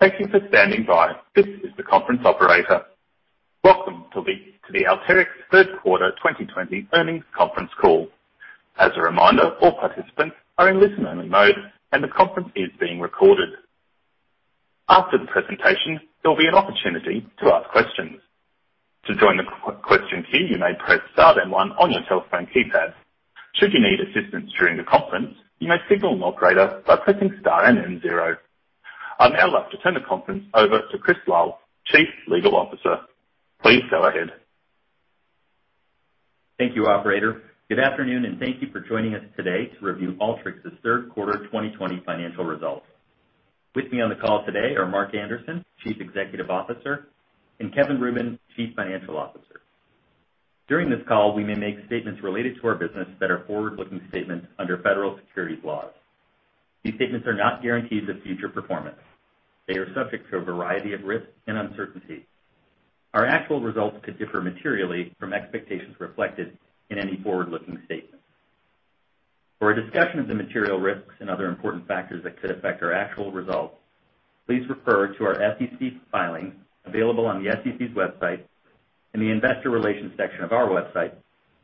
Thank you for standing by. This is the conference operator. Welcome to the Alteryx third quarter 2020 Earnings Conference Call. As a reminder, all participants are in listen-only mode, and the conference is being recorded. After the presentation, there'll be an opportunity to ask questions. To join the question queue, you may press star one on your telephone keypad. Should you need assistance during the conference, you may signal the moderator by pressing star zero. I'd now like to turn the conference over to Chris Lal, Chief Legal Officer. Please go ahead. Thank you, operator. Good afternoon, thank you for joining us today to review Alteryx's third quarter 2020 financial results. With me on the call today are Mark Anderson, Chief Executive Officer, and Kevin Rubin, Chief Financial Officer. During this call, we may make statements related to our business that are forward-looking statements under Federal Securities laws. These statements are not guarantees of future performance. They are subject to a variety of risks and uncertainties. Our actual results could differ materially from expectations reflected in any forward-looking statement. For a discussion of the material risks and other important factors that could affect our actual results, please refer to our SEC filing available on the SEC's website, in the investor relations section of our website,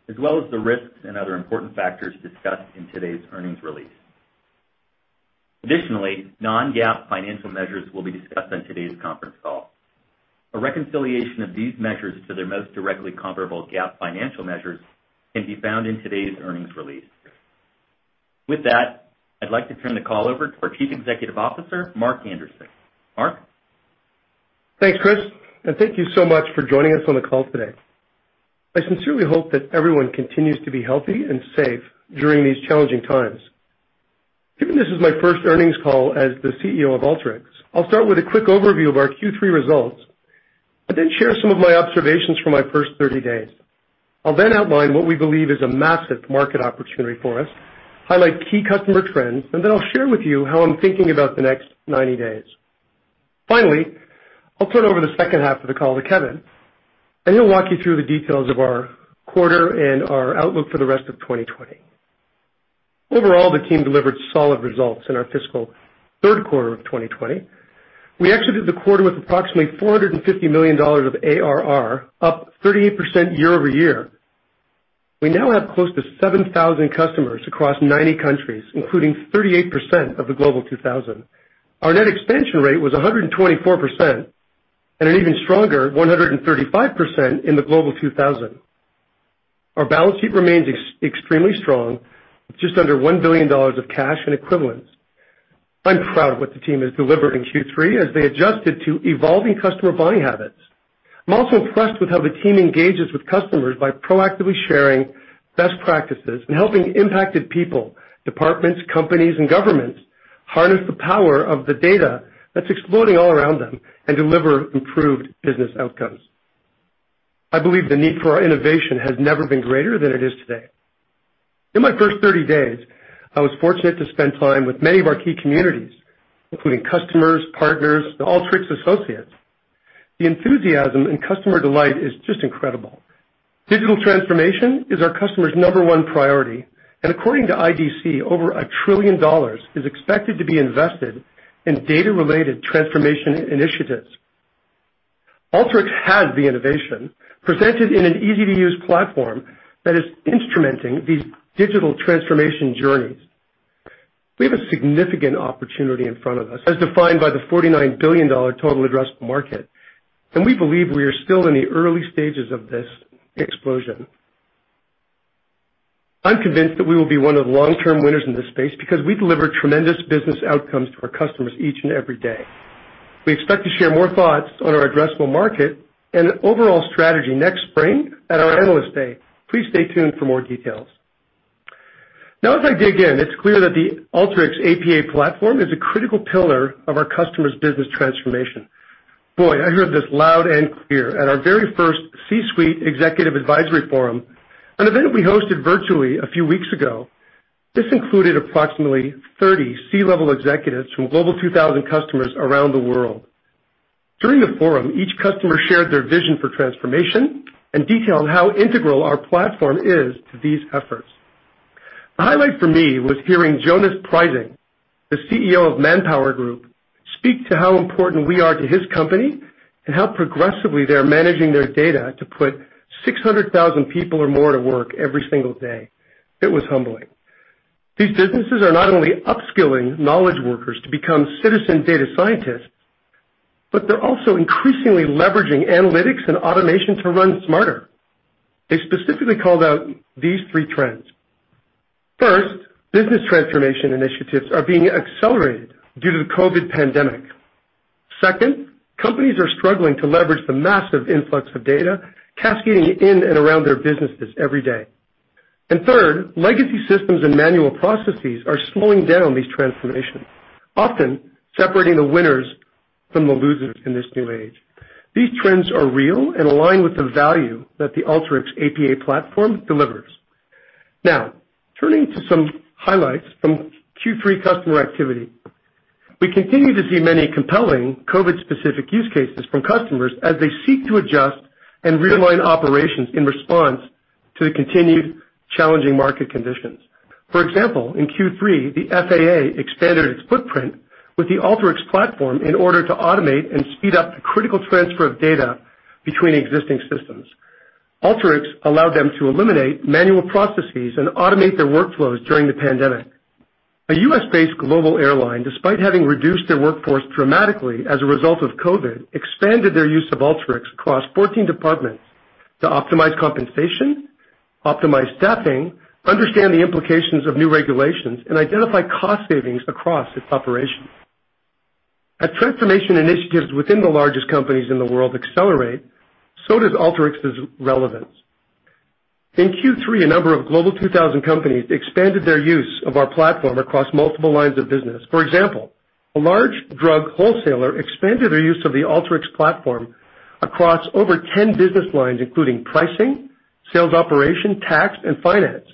as well as the risks and other important factors discussed in today's earnings release. Additionally, non-GAAP financial measures will be discussed on today's conference call. A reconciliation of these measures to their most directly comparable GAAP financial measures can be found in today's earnings release. With that, I'd like to turn the call over to our Chief Executive Officer, Mark Anderson. Mark? Thanks, Chris. Thank you so much for joining us on the call today. I sincerely hope that everyone continues to be healthy and safe during these challenging times. Given this is my first earnings call as the CEO of Alteryx, I'll start with a quick overview of our Q3 results. Then share some of my observations from my first 30 days. I'll outline what we believe is a massive market opportunity for us, highlight key customer trends. Then I'll share with you how I'm thinking about the next 90 days. Finally, I'll turn over the second half of the call to Kevin. He'll walk you through the details of our quarter and our outlook for the rest of 2020. Overall, the team delivered solid results in our fiscal third quarter of 2020. We exited the quarter with approximately $450 million of ARR, up 38% year-over-year. We now have close to 7,000 customers across 90 countries, including 38% of the Global 2000. Our net expansion rate was 124%, and an even stronger 135% in the Global 2000. Our balance sheet remains extremely strong with just under $1 billion of cash and equivalents. I'm proud of what the team has delivered in Q3 as they adjusted to evolving customer buying habits. I'm also impressed with how the team engages with customers by proactively sharing best practices and helping impacted people, departments, companies, and governments harness the power of the data that's exploding all around them and deliver improved business outcomes. I believe the need for our innovation has never been greater than it is today. In my first 30 days, I was fortunate to spend time with many of our key communities, including customers, partners, and Alteryx associates. The enthusiasm and customer delight is just incredible. Digital transformation is our customers' number one priority, and according to IDC, over $1 trillion is expected to be invested in data-related transformation initiatives. Alteryx has the innovation presented in an easy-to-use platform that is instrumenting these digital transformation journeys. We have a significant opportunity in front of us, as defined by the $49 billion total addressed market, and we believe we are still in the early stages of this explosion. I'm convinced that we will be one of the long-term winners in this space because we deliver tremendous business outcomes to our customers each and every day. We expect to share more thoughts on our addressable market and overall strategy next spring at our Analyst Day. Please stay tuned for more details. Now, as I dig in, it's clear that the Alteryx APA Platform is a critical pillar of our customers' business transformation. Boy, I heard this loud and clear at our very first C-suite executive advisory forum, an event we hosted virtually a few weeks ago. This included approximately 30 C-level executives from Global 2000 customers around the world. During the forum, each customer shared their vision for transformation and detailed how integral our platform is to these efforts. The highlight for me was hearing Jonas Prising, the CEO of ManpowerGroup, speak to how important we are to his company and how progressively they're managing their data to put 600,000 people or more to work every single day. It was humbling. These businesses are not only upskilling knowledge workers to become citizen data scientists, but they're also increasingly leveraging analytics and automation to run smarter. They specifically called out these three trends. First, business transformation initiatives are being accelerated due to the COVID pandemic. Second, companies are struggling to leverage the massive influx of data cascading in and around their businesses every day. Third, legacy systems and manual processes are slowing down these transformations, often separating the winners from the losers in this new age. These trends are real and align with the value that the Alteryx APA Platform delivers. Now, turning to some highlights from Q3 customer activity. We continue to see many compelling COVID-specific use cases from customers as they seek to adjust and realign operations in response to the continued challenging market conditions. For example, in Q3, the FAA expanded its footprint with the Alteryx platform in order to automate and speed up the critical transfer of data between existing systems. Alteryx allowed them to eliminate manual processes and automate their workflows during the pandemic. A U.S.-based global airline, despite having reduced their workforce dramatically as a result of COVID, expanded their use of Alteryx across 14 departments to optimize compensation, optimize staffing, understand the implications of new regulations, and identify cost savings across its operations. As transformation initiatives within the largest companies in the world accelerate, so does Alteryx's relevance. In Q3, a number of Global 2000 companies expanded their use of our platform across multiple lines of business. For example, a large drug wholesaler expanded their use of the Alteryx platform across over 10 business lines, including pricing, sales operation, tax, and finance.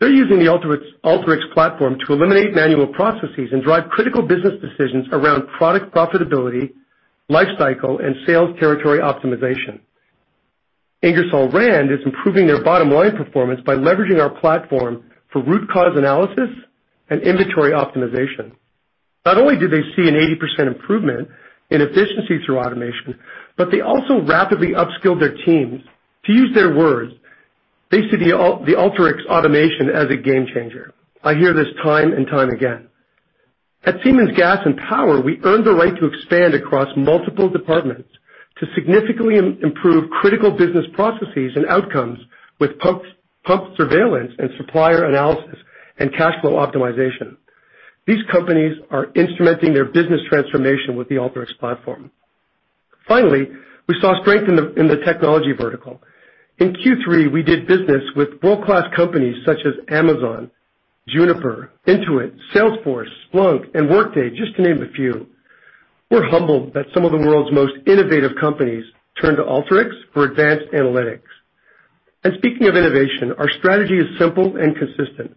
They're using the Alteryx platform to eliminate manual processes and drive critical business decisions around product profitability, life cycle, and sales territory optimization. Ingersoll Rand is improving their bottom line performance by leveraging our platform for root cause analysis and inventory optimization. Not only did they see an 80% improvement in efficiency through automation, but they also rapidly upskilled their teams. To use their words, they see the Alteryx automation as a game changer. I hear this time and time again. At Siemens Gas and Power, we earned the right to expand across multiple departments to significantly improve critical business processes and outcomes with pump surveillance and supplier analysis and cash flow optimization. These companies are instrumenting their business transformation with the Alteryx platform. Finally, we saw strength in the technology vertical. In Q3, we did business with world-class companies such as Amazon, Juniper, Intuit, Salesforce, Splunk, and Workday, just to name a few. We're humbled that some of the world's most innovative companies turn to Alteryx for advanced analytics. Speaking of innovation, our strategy is simple and consistent.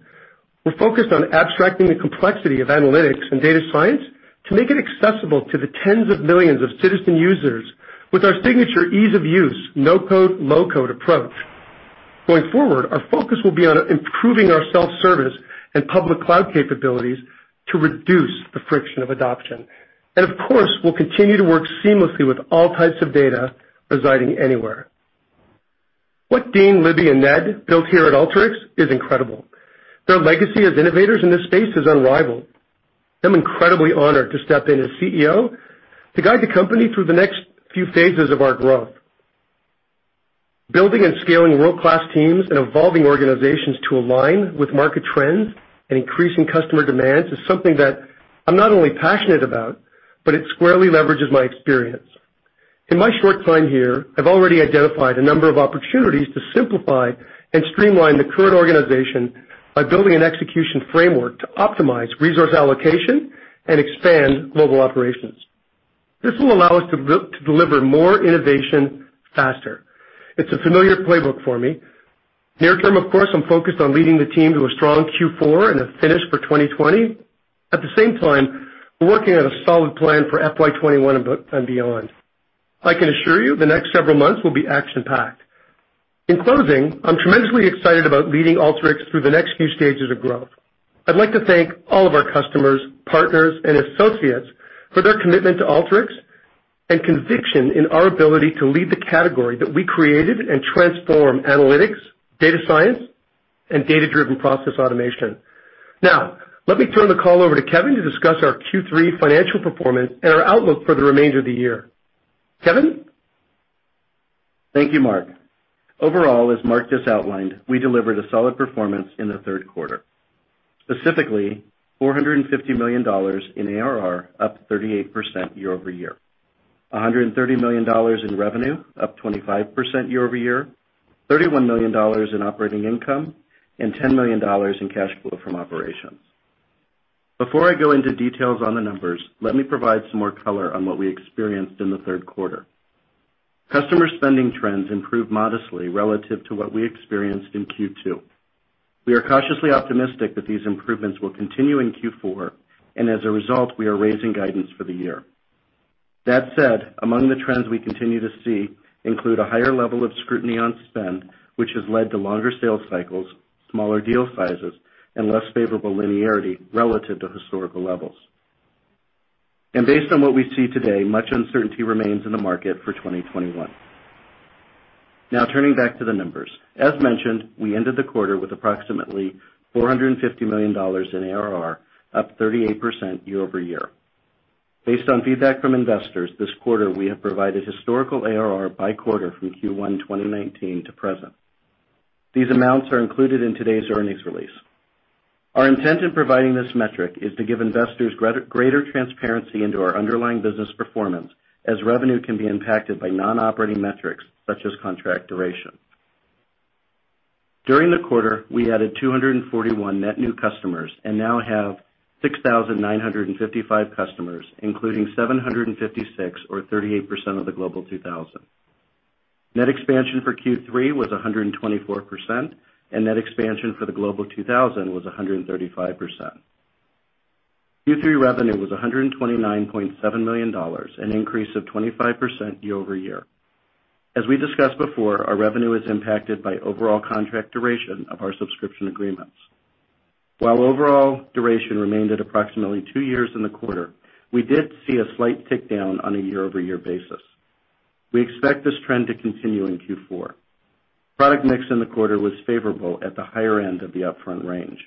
We're focused on abstracting the complexity of analytics and data science to make it accessible to the tens of millions of citizen users with our signature ease-of-use, no code, low code approach. Going forward, our focus will be on improving our self-service and public cloud capabilities to reduce the friction of adoption. Of course, we'll continue to work seamlessly with all types of data residing anywhere. What Dean, Libby, and Ned built here at Alteryx is incredible. Their legacy as innovators in this space is unrivaled. I'm incredibly honored to step in as CEO to guide the company through the next few phases of our growth. Building and scaling world-class teams and evolving organizations to align with market trends and increasing customer demands is something that I'm not only passionate about, but it squarely leverages my experience. In my short time here, I've already identified a number of opportunities to simplify and streamline the current organization by building an execution framework to optimize resource allocation and expand global operations. This will allow us to deliver more innovation faster. It's a familiar playbook for me. Near-term, of course, I'm focused on leading the team to a strong Q4 and a finish for 2020. At the same time, we're working on a solid plan for FY 2021 and beyond. I can assure you the next several months will be action-packed. In closing, I'm tremendously excited about leading Alteryx through the next few stages of growth. I'd like to thank all of our customers, partners, and associates for their commitment to Alteryx and conviction in our ability to lead the category that we created and transform analytics, data science, and data-driven process automation. Let me turn the call over to Kevin to discuss our Q3 financial performance and our outlook for the remainder of the year. Kevin? Thank you, Mark. Overall, as Mark just outlined, we delivered a solid performance in the third quarter. Specifically, $450 million in ARR, up 38% year-over-year. $130 million in revenue, up 25% year-over-year, $31 million in operating income, and $10 million in cash flow from operations. Before I go into details on the numbers, let me provide some more color on what we experienced in the third quarter. Customer spending trends improved modestly relative to what we experienced in Q2. We are cautiously optimistic that these improvements will continue in Q4, as a result, we are raising guidance for the year. That said, among the trends we continue to see include a higher level of scrutiny on spend, which has led to longer sales cycles, smaller deal sizes, and less favorable linearity relative to historical levels. Based on what we see today, much uncertainty remains in the market for 2021. Now, turning back to the numbers. As mentioned, we ended the quarter with approximately $450 million in ARR, up 38% year-over-year. Based on feedback from investors this quarter, we have provided historical ARR by quarter from Q1 2019 to present. These amounts are included in today's earnings release. Our intent in providing this metric is to give investors greater transparency into our underlying business performance, as revenue can be impacted by non-operating metrics such as contract duration. During the quarter, we added 241 net new customers and now have 6,955 customers, including 756 or 38% of the Global 2000. Net expansion for Q3 was 124%, and net expansion for the Global 2000 was 135%. Q3 revenue was $129.7 million, an increase of 25% year-over-year. As we discussed before, our revenue is impacted by overall contract duration of our subscription agreements. While overall duration remained at approximately two years in the quarter, we did see a slight tick down on a year-over-year basis. We expect this trend to continue in Q4. Product mix in the quarter was favorable at the higher end of the upfront range.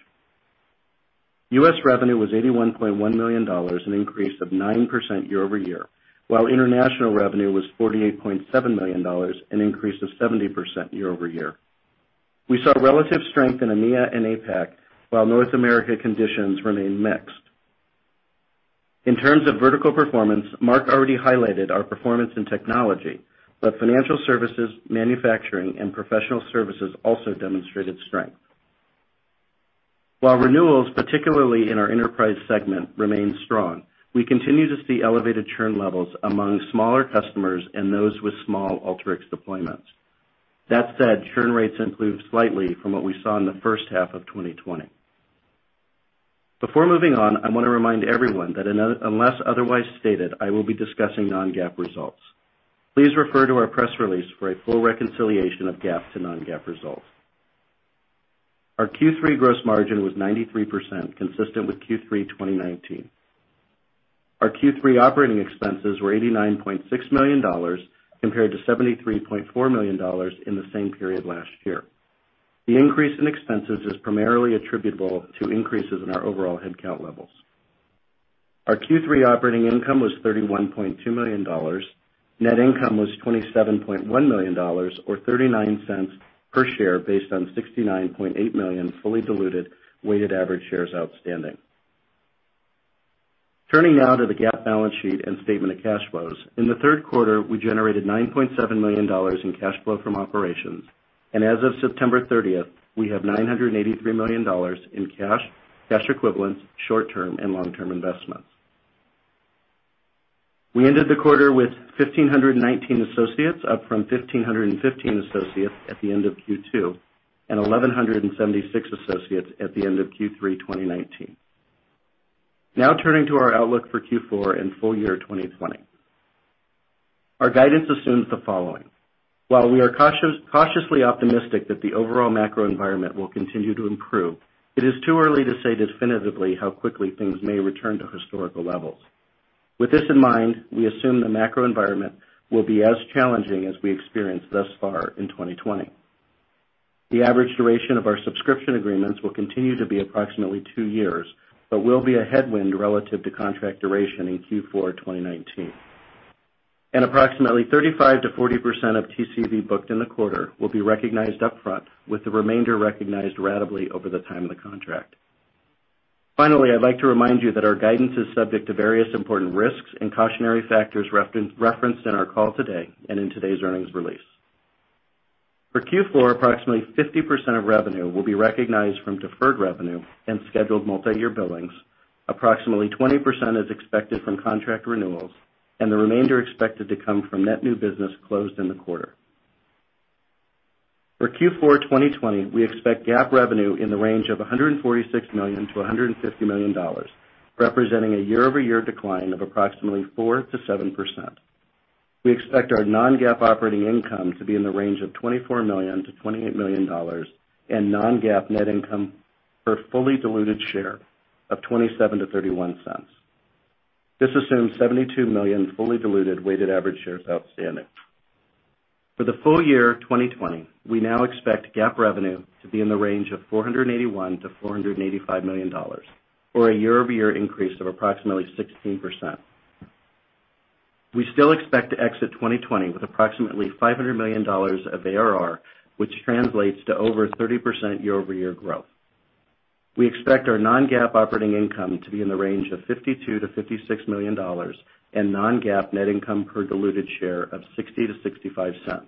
U.S. revenue was $81.1 million, an increase of 9% year-over-year, while international revenue was $48.7 million, an increase of 70% year-over-year. We saw relative strength in EMEA and APAC, while North America conditions remained mixed. In terms of vertical performance, Mark already highlighted our performance in technology, but financial services, manufacturing, and professional services also demonstrated strength. While renewals, particularly in our enterprise segment, remain strong, we continue to see elevated churn levels among smaller customers and those with small Alteryx deployments. That said, churn rates improved slightly from what we saw in the first half of 2020. Before moving on, I want to remind everyone that unless otherwise stated, I will be discussing non-GAAP results. Please refer to our press release for a full reconciliation of GAAP to non-GAAP results. Our Q3 gross margin was 93%, consistent with Q3 2019. Our Q3 operating expenses were $89.6 million, compared to $73.4 million in the same period last year. The increase in expenses is primarily attributable to increases in our overall headcount levels. Our Q3 operating income was $31.2 million. Net income was $27.1 million, or $0.39 per share based on 69.8 million fully diluted weighted average shares outstanding. Turning now to the GAAP balance sheet and statement of cash flows. In the third quarter, we generated $9.7 million in cash flow from operations, and as of September 30th, we have $983 million in cash equivalents, short-term and long-term investments. We ended the quarter with 1,519 associates, up from 1,515 associates at the end of Q2, and 1,176 associates at the end of Q3 2019. Turning to our outlook for Q4 and full year 2020. Our guidance assumes the following. While we are cautiously optimistic that the overall macro environment will continue to improve, it is too early to say definitively how quickly things may return to historical levels. With this in mind, we assume the macro environment will be as challenging as we experienced thus far in 2020. The average duration of our subscription agreements will continue to be approximately two years, but will be a headwind relative to contract duration in Q4 2019, and approximately 35%-40% of TCV booked in the quarter will be recognized upfront, with the remainder recognized ratably over the time of the contract. Finally, I'd like to remind you that our guidance is subject to various important risks and cautionary factors referenced in our call today and in today's earnings release. For Q4, approximately 50% of revenue will be recognized from deferred revenue and scheduled multi-year billings. Approximately 20% is expected from contract renewals, and the remainder expected to come from net new business closed in the quarter. For Q4 2020, we expect GAAP revenue in the range of $146 million-$150 million, representing a year-over-year decline of approximately 4%-7%. We expect our non-GAAP operating income to be in the range of $24 million to $28 million, and non-GAAP net income per fully diluted share of $0.27-$0.31. This assumes 72 million fully diluted weighted average shares outstanding. For the full year 2020, we now expect GAAP revenue to be in the range of $481 million to $485 million, or a year-over-year increase of approximately 16%. We still expect to exit 2020 with approximately $500 million of ARR, which translates to over 30% year-over-year growth. We expect our non-GAAP operating income to be in the range of $52 million to $56 million, and non-GAAP net income per diluted share of $0.60-$0.65.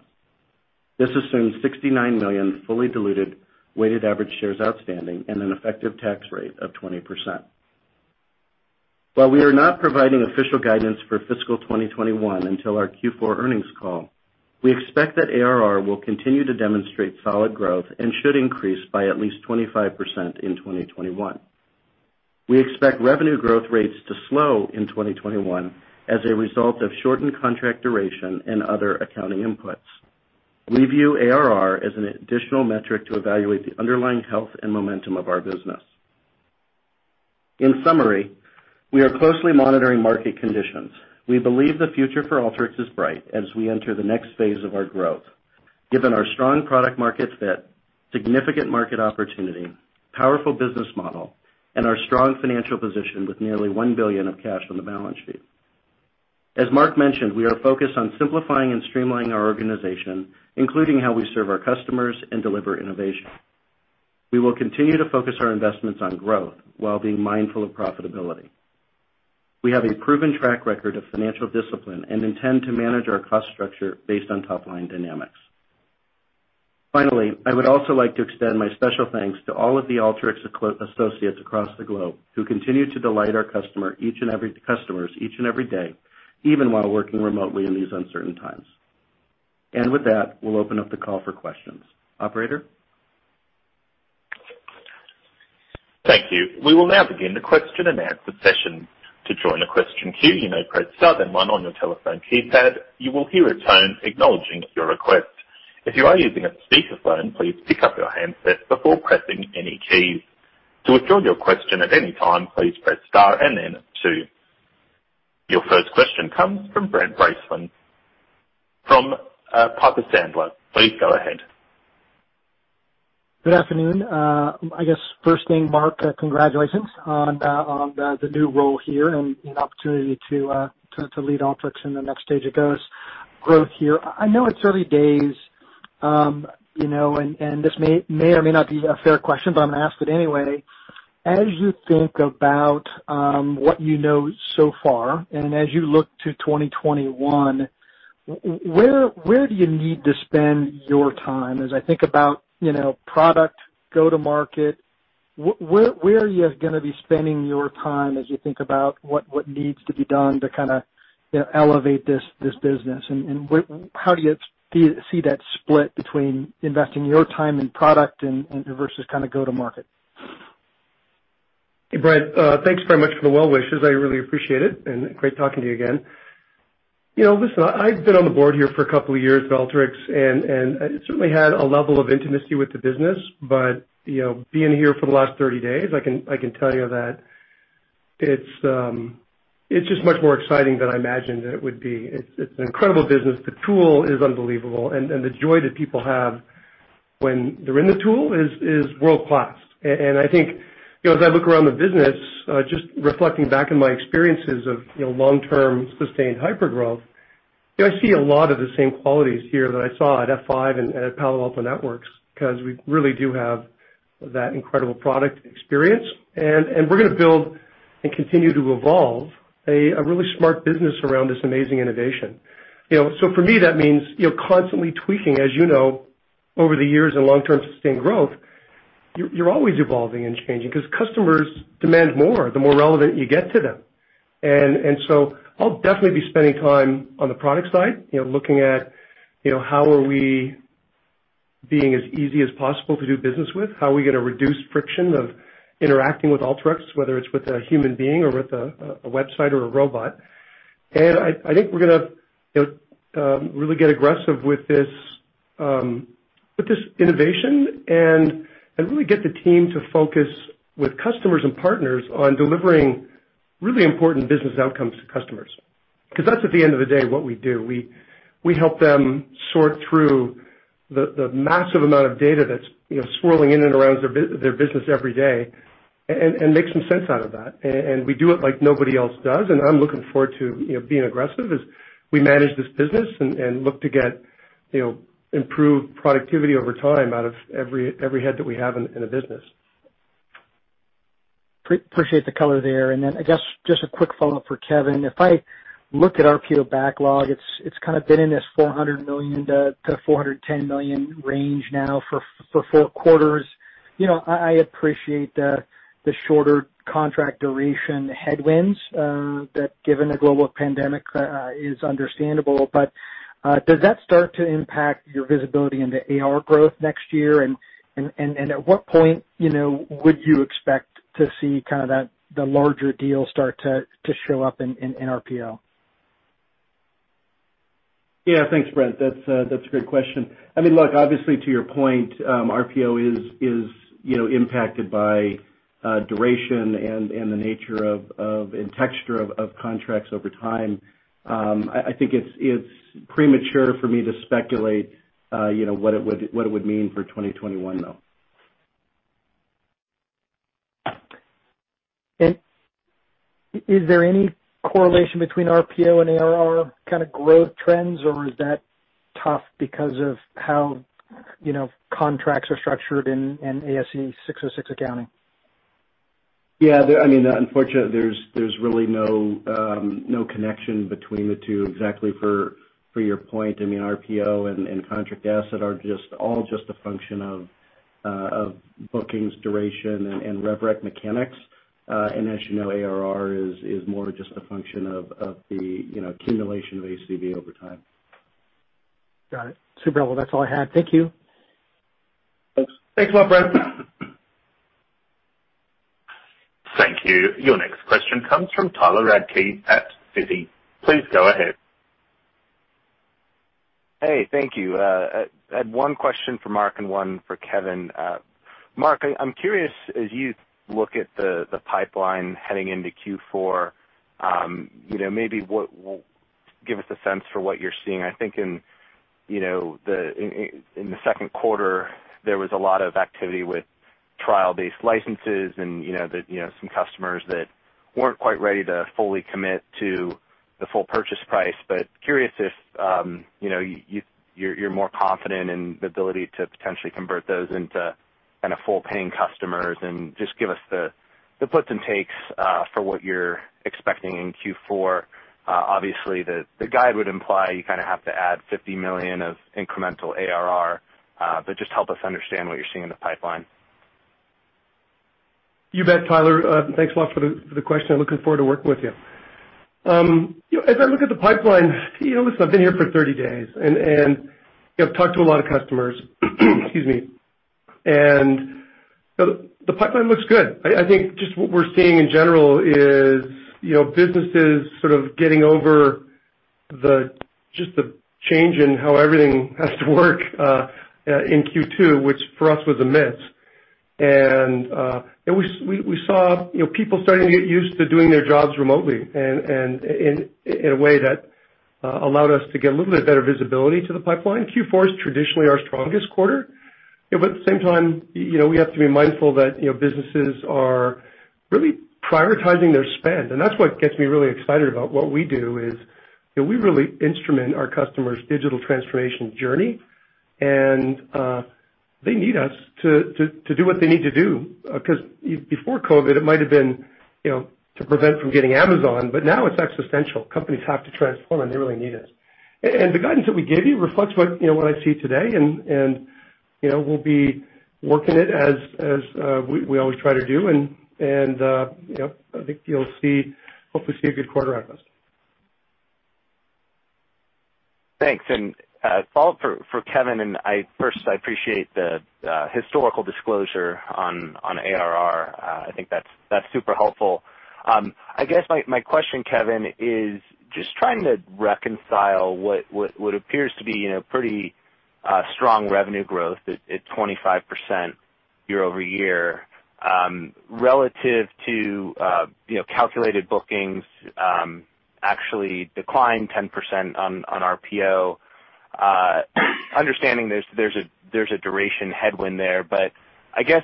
This assumes 69 million fully diluted weighted average shares outstanding and an effective tax rate of 20%. While we are not providing official guidance for fiscal 2021 until our Q4 earnings call, we expect that ARR will continue to demonstrate solid growth and should increase by at least 25% in 2021. We expect revenue growth rates to slow in 2021 as a result of shortened contract duration and other accounting inputs. We view ARR as an additional metric to evaluate the underlying health and momentum of our business. In summary, we are closely monitoring market conditions. We believe the future for Alteryx is bright as we enter the next phase of our growth, given our strong product market fit, significant market opportunity, powerful business model, and our strong financial position with nearly $1 billion of cash on the balance sheet. As Mark mentioned, we are focused on simplifying and streamlining our organization, including how we serve our customers and deliver innovation. We will continue to focus our investments on growth while being mindful of profitability. We have a proven track record of financial discipline and intend to manage our cost structure based on top-line dynamics. Finally, I would also like to extend my special thanks to all of the Alteryx associates across the globe who continue to delight our customers each and every day, even while working remotely in these uncertain times. With that, we'll open up the call for questions. Operator? Your first question comes from Brent Bracelin from Piper Sandler. Please go ahead. Good afternoon. I guess first thing, Mark, congratulations on the new role here and an opportunity to lead Alteryx in the next stage of growth here. I know it's early days, and this may or may not be a fair question, but I'm going to ask it anyway. As you think about what you know so far, and as you look to 2021, where do you need to spend your time? As I think about product go-to-market, where are you going to be spending your time as you think about what needs to be done to elevate this business? How do you see that split between investing your time in product versus go-to-market? Hey, Brent. Thanks very much for the well wishes. I really appreciate it, and great talking to you again. Listen, I've been on the board here for a couple of years at Alteryx, and I certainly had a level of intimacy with the business. Being here for the last 30 days, I can tell you that it's just much more exciting than I imagined it would be. It's an incredible business. The tool is unbelievable, and the joy that people have when they're in the tool is world-class. I think, as I look around the business, just reflecting back on my experiences of long-term sustained hypergrowth, I see a lot of the same qualities here that I saw at F5 and at Palo Alto Networks, because we really do have that incredible product experience. We're going to build and continue to evolve a really smart business around this amazing innovation. For me, that means constantly tweaking. As you know, over the years in long-term sustained growth, you're always evolving and changing because customers demand more the more relevant you get to them. I'll definitely be spending time on the product side, looking at how are we being as easy as possible to do business with, how are we going to reduce friction of interacting with Alteryx, whether it's with a human being or with a website or a robot. I think we're going to really get aggressive with this innovation and really get the team to focus with customers and partners on delivering really important business outcomes to customers. Because that's at the end of the day what we do. We help them sort through the massive amount of data that's swirling in and around their business every day and make some sense out of that. We do it like nobody else does, and I'm looking forward to being aggressive as we manage this business and look to get improved productivity over time out of every head that we have in the business. Appreciate the color there. I guess just a quick follow-up for Kevin. If I look at RPO backlog, it's kind of been in this $400 million to $410 million range now for four quarters. I appreciate the shorter contract duration headwinds, that given the global pandemic is understandable. Does that start to impact your visibility into ARR growth next year? At what point would you expect to see the larger deals start to show up in RPO? Yeah. Thanks, Brent. That's a great question. Look, obviously, to your point, RPO is impacted by duration and the nature of and texture of contracts over time. I think it's premature for me to speculate what it would mean for 2021, though. Is there any correlation between RPO and ARR kind of growth trends, or is that tough because of how contracts are structured in ASC 606 accounting? Yeah. Unfortunately, there's really no connection between the two exactly for your point. RPO and contract asset are all just a function of bookings duration and rev rec mechanics. As you know, ARR is more just a function of the accumulation of ACV over time. Got it. Super helpful. That's all I had. Thank you. Thanks. Thanks a lot, Brent. Thank you. Your next question comes from Tyler Radke at Citi. Please go ahead. Hey, thank you. I had one question for Mark and one for Kevin. Mark, I'm curious, as you look at the pipeline heading into Q4, maybe give us a sense for what you're seeing. I think in the second quarter, there was a lot of activity with trial-based licenses and some customers that weren't quite ready to fully commit to the full purchase price. Curious if you're more confident in the ability to potentially convert those into full paying customers, and just give us the puts and takes for what you're expecting in Q4. Obviously, the guide would imply you kind of have to add $50 million of incremental ARR, just help us understand what you're seeing in the pipeline. You bet, Tyler. Thanks a lot for the question. I'm looking forward to working with you. As I look at the pipeline, listen, I've been here for 30 days, and I've talked to a lot of customers. Excuse me. The pipeline looks good. I think just what we're seeing in general is businesses sort of getting over just the change in how everything has to work in Q2, which for us was a miss. We saw people starting to get used to doing their jobs remotely and in a way that allowed us to get a little bit better visibility to the pipeline. Q4 is traditionally our strongest quarter. At the same time, we have to be mindful that businesses are really prioritizing their spend. That's what gets me really excited about what we do is we really instrument our customers' digital transformation journey. They need us to do what they need to do, because before COVID it might've been to prevent from getting Amazon, but now it's existential. Companies have to transform, and they really need us. The guidance that we gave you reflects what I see today, and we'll be working it as we always try to do. I think you'll hopefully see a good quarter out of us. Thanks. A follow-up for Kevin, and first, I appreciate the historical disclosure on ARR. I think that's super helpful. I guess my question, Kevin, is just trying to reconcile what appears to be a pretty strong revenue growth at 25% year-over-year relative to calculated bookings actually declined 10% on RPO. Understanding there's a duration headwind there, but I guess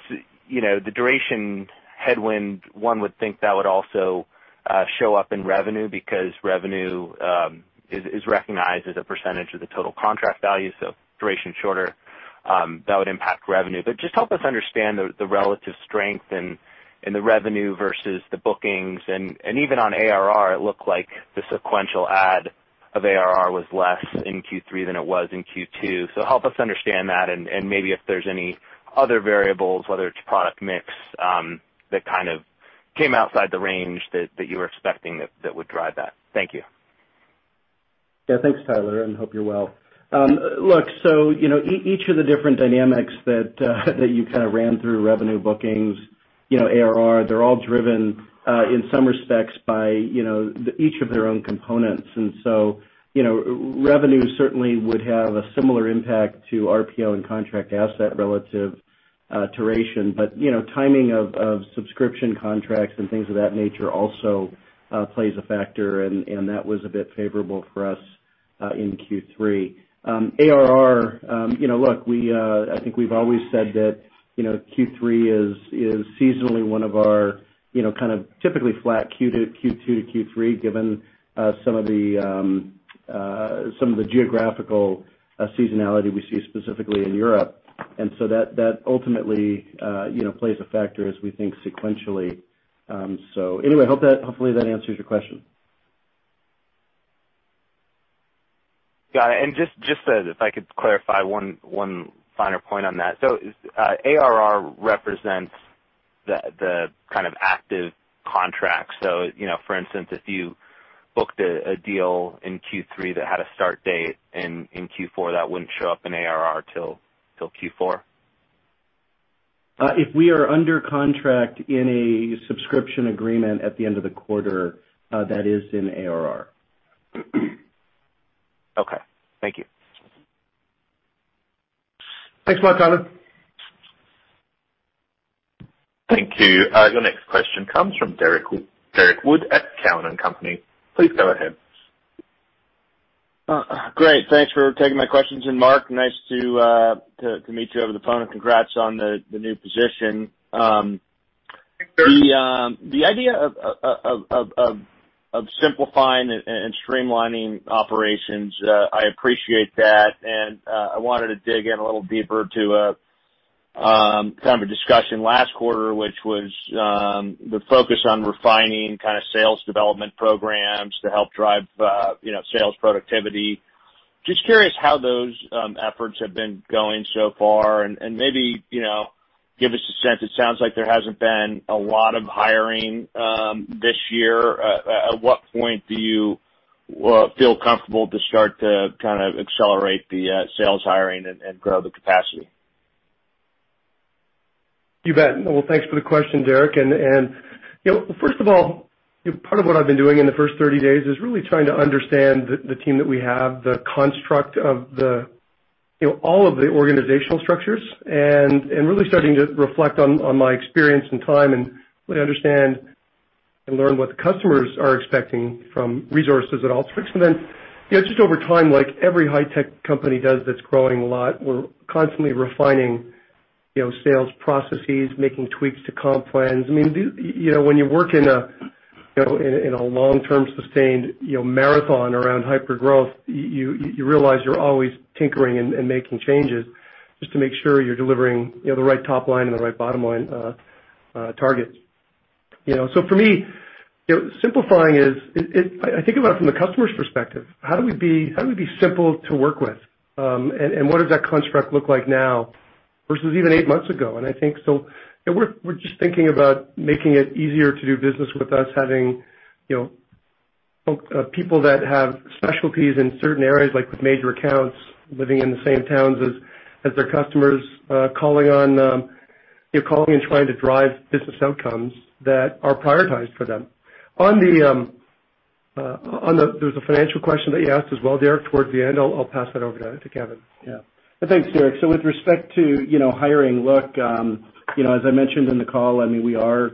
the duration headwind, one would think that would also show up in revenue because revenue is recognized as a percentage of the total contract value. Duration shorter, that would impact revenue. Just help us understand the relative strength in the revenue versus the bookings, and even on ARR it looked like the sequential add of ARR was less in Q3 than it was in Q2. Help us understand that and maybe if there's any other variables, whether it's product mix, that kind of came outside the range that you were expecting that would drive that. Thank you. Thanks Tyler, and hope you're well. Look, each of the different dynamics that you kind of ran through revenue bookings, ARR, they're all driven, in some respects, by each of their own components. Revenue certainly would have a similar impact to RPO and contract asset relative to duration. Timing of subscription contracts and things of that nature also plays a factor, and that was a bit favorable for us in Q3. ARR, look, I think we've always said that Q3 is seasonally one of our kind of typically flat Q2 to Q3 given some of the geographical seasonality we see specifically in Europe. That ultimately plays a factor as we think sequentially. Anyway, hopefully that answers your question. Got it. Just, if I could clarify one finer point on that. ARR represents the kind of active contracts. For instance, if you booked a deal in Q3 that had a start date in Q4, that wouldn't show up in ARR till Q4? If we are under contract in a subscription agreement at the end of the quarter, that is in ARR. Okay. Thank you. Thanks a lot, Tyler. Thank you. Your next question comes from Derrick Wood at Cowen and Company. Please go ahead. Great. Thanks for taking my questions. Mark, nice to meet you over the phone and congrats on the new position. Thanks, Derrick. The idea of simplifying and streamlining operations, I appreciate that, and I wanted to dig in a little deeper to kind of a discussion last quarter, which was the focus on refining kind of sales development programs to help drive sales productivity. Just curious how those efforts have been going so far, and maybe give us a sense? It sounds like there hasn't been a lot of hiring this year. At what point do you feel comfortable to start to kind of accelerate the sales hiring and grow the capacity? You bet. Well, thanks for the question, Derrick. First of all, part of what I've been doing in the first 30 days is really trying to understand the team that we have, the construct of all of the organizational structures, and really starting to reflect on my experience and time and really understand and learn what the customers are expecting from resources at Alteryx. Then, just over time, like every high tech company does that's growing a lot, we're constantly refining sales processes, making tweaks to comp plans. When you work in a long-term sustained marathon around hypergrowth, you realize you're always tinkering and making changes just to make sure you're delivering the right top line and the right bottom line targets. For me, simplifying is, I think about it from the customer's perspective, how do we be simple to work with? What does that construct look like now versus even eight months ago? I think so, we're just thinking about making it easier to do business with us, having people that have specialties in certain areas, like with major accounts, living in the same towns as their customers, calling and trying to drive business outcomes that are prioritized for them. There was a financial question that you asked as well, Derrick, towards the end. I'll pass that over to Kevin. Yeah. Thanks, Derrick. With respect to hiring, look, as I mentioned in the call, we are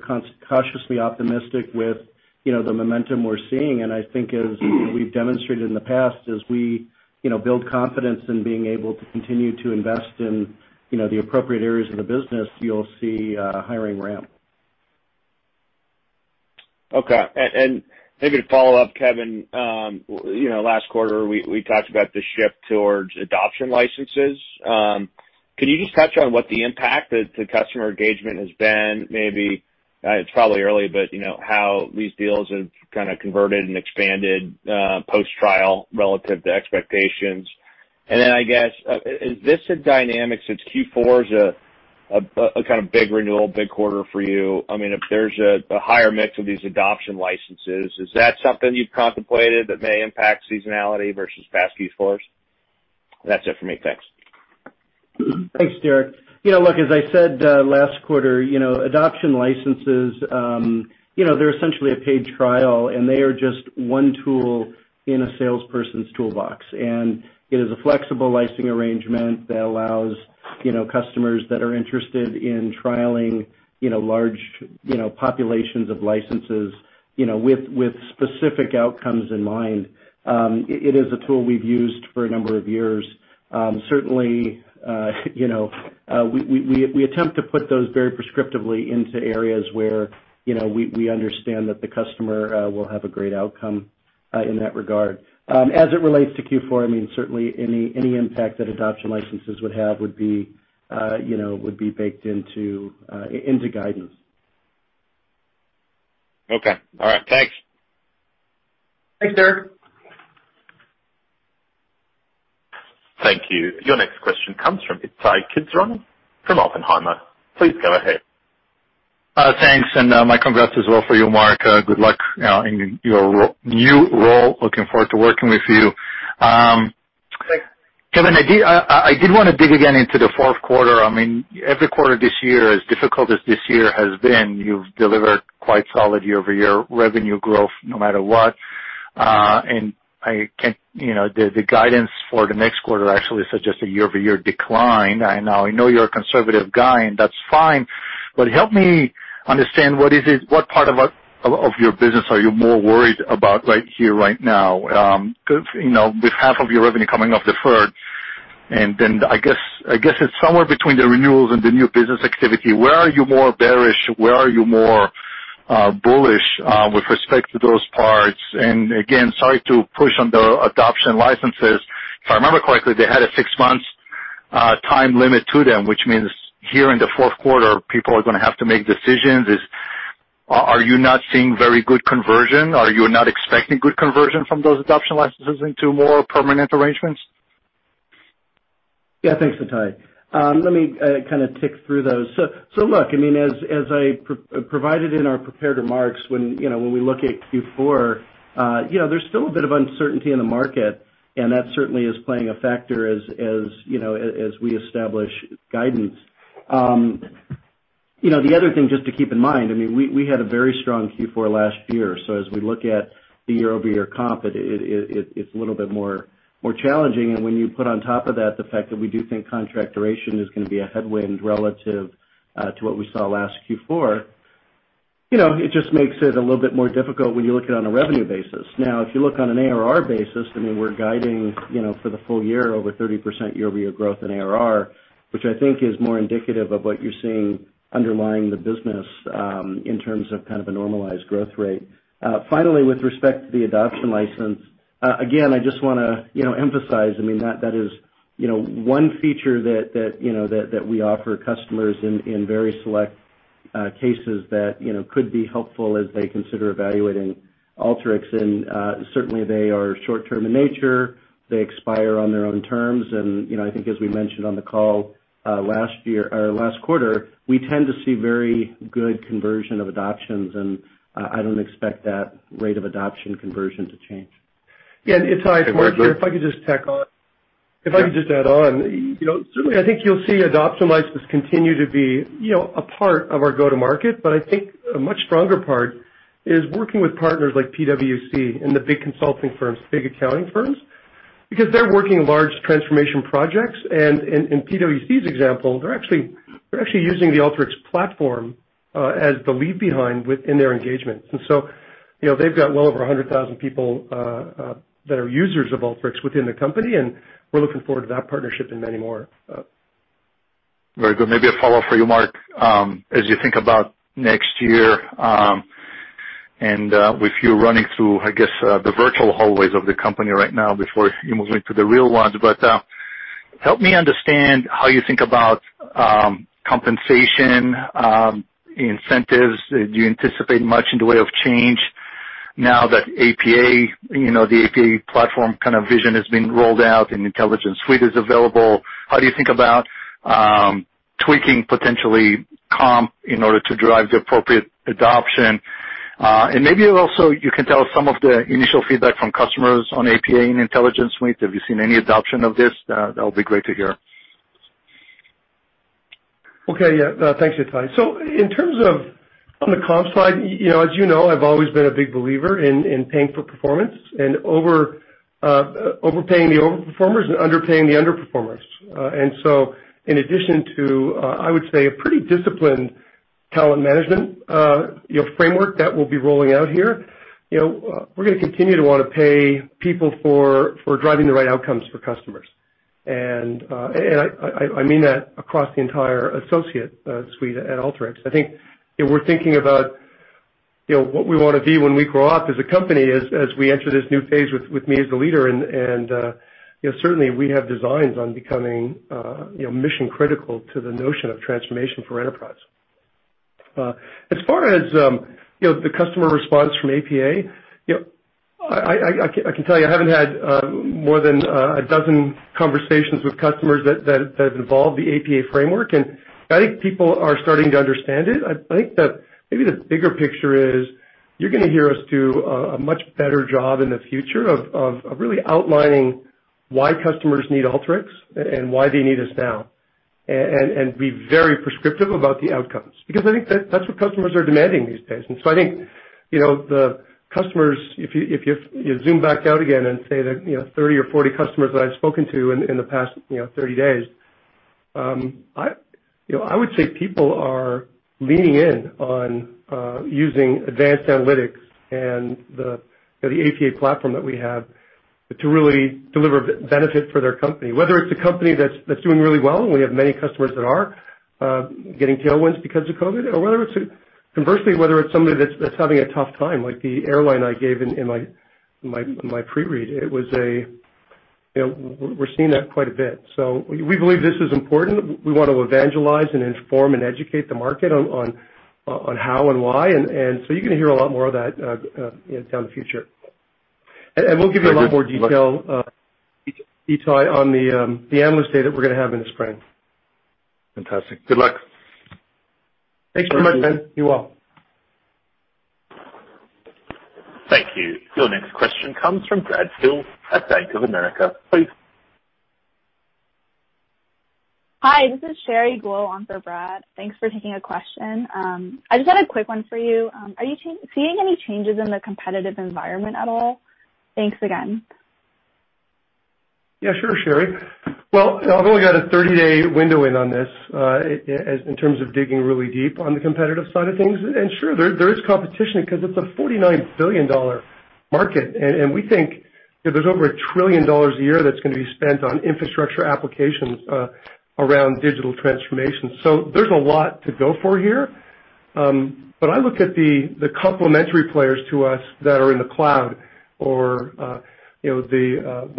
cautiously optimistic with the momentum we're seeing, and I think as we've demonstrated in the past, as we build confidence in being able to continue to invest in the appropriate areas of the business, you'll see hiring ramp. Okay. Maybe to follow up, Kevin, last quarter, we talked about the shift towards adoption licenses. Can you just touch on what the impact to customer engagement has been, maybe, it's probably early, but how these deals have kind of converted and expanded post-trial relative to expectations? Then, I guess, is this a dynamic since Q4 is a kind of big renewal, big quarter for you, if there's a higher mix of these adoption licenses, is that something you've contemplated that may impact seasonality versus past Q4s? That's it for me. Thanks. Thanks, Derrick. Look, as I said last quarter, adoption licenses they're essentially a paid trial, they are just one tool in a salesperson's toolbox. It is a flexible licensing arrangement that allows customers that are interested in trialing large populations of licenses with specific outcomes in mind. It is a tool we've used for a number of years. Certainly, we attempt to put those very prescriptively into areas where we understand that the customer will have a great outcome in that regard. As it relates to Q4, certainly any impact that adoption licenses would have would be baked into guidance. Okay. All right. Thanks. Thanks, Derrick. Thank you. Your next question comes from Ittai Kidron from Oppenheimer. Please go ahead. Thanks, my congrats as well for you, Mark. Good luck in your new role. Looking forward to working with you. Thanks. Kevin, I did want to dig again into the fourth quarter. Every quarter this year, as difficult as this year has been, you've delivered quite solid year-over-year revenue growth no matter what. The guidance for the next quarter actually suggests a year-over-year decline. I know you're a conservative guy, and that's fine, but help me understand what part of your business are you more worried about right here, right now? With half of your revenue coming off deferred, and then I guess it's somewhere between the renewals and the new business activity. Where are you more bearish? Where are you more bullish with respect to those parts? Again, sorry to push on the adoption licenses. If I remember correctly, they had a 6 months time limit to them, which means here in the fourth quarter, people are going to have to make decisions. Are you not seeing very good conversion? Are you not expecting good conversion from those adoption licenses into more permanent arrangements? Thanks, Ittai. Let me kind of tick through those. As I provided in our prepared remarks, when we look at Q4, there's still a bit of uncertainty in the market, and that certainly is playing a factor as we establish guidance. The other thing, just to keep in mind, we had a very strong Q4 last year, as we look at the year-over-year comp, it's a little bit more challenging. When you put on top of that the fact that we do think contract duration is going to be a headwind relative to what we saw last Q4, it just makes it a little bit more difficult when you look at it on a revenue basis. If you look on an ARR basis, we're guiding for the full year over 30% year-over-year growth in ARR, which I think is more indicative of what you're seeing underlying the business in terms of kind of a normalized growth rate. With respect to the adoption license, again, I just want to emphasize, that is one feature that we offer customers in very select cases that could be helpful as they consider evaluating Alteryx. Certainly, they are short-term in nature. They expire on their own terms. I think as we mentioned on the call last quarter, we tend to see very good conversion of adoptions, and I don't expect that rate of adoption conversion to change. Yeah, and Ittai, it's Mark here. If I could just tack on. Yeah. If I could just add on. Certainly, I think you'll see adoption licenses continue to be a part of our go-to-market, but I think a much stronger part is working with partners like PwC and the big consulting firms, big accounting firms, because they're working large transformation projects. In PwC's example, they're actually using the Alteryx platform as the leave behind within their engagements. They've got well over 100,000 people that are users of Alteryx within the company, and we're looking forward to that partnership and many more. Very good. Maybe a follow-up for you, Mark. As you think about next year with you running through, I guess, the virtual hallways of the company right now before you move into the real ones. Help me understand how you think about compensation, incentives. Do you anticipate much in the way of change now that the APA platform kind of vision has been rolled out and Intelligence Suite is available? How do you think about tweaking potentially comp in order to drive the appropriate adoption? Maybe also you can tell us some of the initial feedback from customers on APA and Intelligence Suite. Have you seen any adoption of this? That would be great to hear. Okay. Yeah. Thanks, Ittai. In terms of on the comp side, as you know, I've always been a big believer in paying for performance, and overpaying the over-performers and underpaying the under-performers. In addition to, I would say, a pretty disciplined talent management framework that we'll be rolling out here, we're going to continue to want to pay people for driving the right outcomes for customers. I mean that across the entire associate suite at Alteryx. I think we're thinking about what we want to be when we grow up as a company, as we enter this new phase with me as the leader. Certainly, we have designs on becoming mission-critical to the notion of transformation for enterprise. As far as the customer response from APA, I can tell you, I haven't had more than a dozen conversations with customers that have involved the APA framework, and I think people are starting to understand it. I think that maybe the bigger picture is you're going to hear us do a much better job in the future of really outlining why customers need Alteryx and why they need us now. Be very prescriptive about the outcomes, because I think that's what customers are demanding these days. I think, the customers, if you zoom back out again and say that, 30 or 40 customers that I've spoken to in the past 30 days, I would say people are leaning in on using advanced analytics and the APA Platform that we have to really deliver benefit for their company, whether it's a company that's doing really well, and we have many customers that are getting tailwinds because of COVID, or conversely, whether it's somebody that's having a tough time, like the airline I gave in my pre-read. We're seeing that quite a bit. We believe this is important. We want to evangelize and inform and educate the market on how and why. You're going to hear a lot more of that down the future. We'll give you a lot more detail, Ittai, on the Analyst Day that we're going to have in the spring. Fantastic. Good luck. Thanks so much, man. You well? Thank you. Your next question comes from Brad Sills at Bank of America, please. Hi, this is Sherry Guo on for Brad. Thanks for taking a question. I just had a quick one for you. Are you seeing any changes in the competitive environment at all? Thanks again. Yeah, sure, Sherry. Well, I've only got a 30-day window in on this, in terms of digging really deep on the competitive side of things. Sure, there is competition because it's a $49 billion market, and we think there's over $1 trillion a year that's going to be spent on infrastructure applications around digital transformation. There's a lot to go for here. I look at the complementary players to us that are in the cloud, or the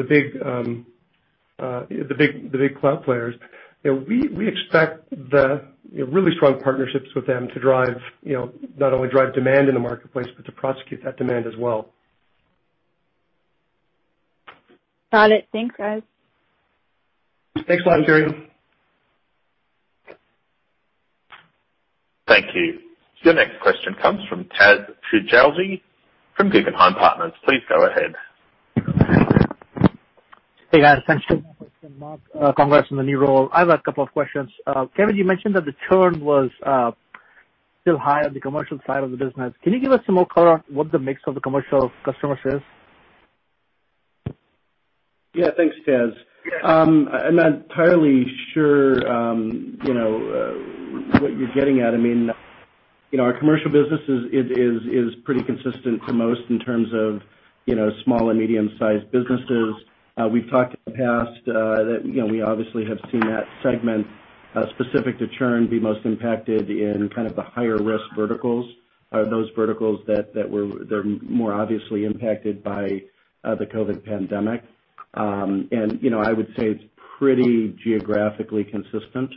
big cloud players. We expect really strong partnerships with them to not only drive demand in the marketplace, but to prosecute that demand as well. Got it. Thanks, Brad. Thanks a lot, Sherry. Thank you. Your next question comes from Tazeen Chowdhury from Guggenheim Partners. Please go ahead. Hey, guys. Thanks. Sure. Congrats on the new role. I have a couple of questions. Kevin, you mentioned that the churn was still high on the commercial side of the business. Can you give us some more color on what the mix of the commercial customers is? Yeah. Thanks, Taz. I'm not entirely sure what you're getting at. Our commercial business is pretty consistent to most in terms of small and medium-sized businesses. We've talked in the past that we obviously have seen that segment specific to churn be most impacted in kind of the higher risk verticals are those verticals that were more obviously impacted by the COVID pandemic. I would say it's pretty geographically consistent.